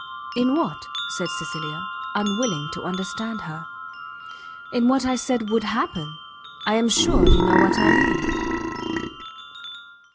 "In what?" said Cecilia, unwilling to understand her. "In what I said would happen? I am sure you know what I mean."